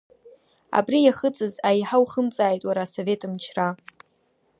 Абри иахыҵыз аиҳа ухымҵааит, уара, Асовет мчра!